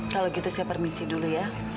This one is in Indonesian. kalau gitu saya permisi dulu ya